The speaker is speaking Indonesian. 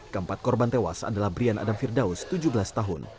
keempat korban tewas adalah brian adam firdaus tujuh belas tahun